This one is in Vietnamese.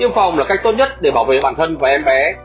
tiêm phòng là cách tốt nhất để bảo vệ bản thân và em bé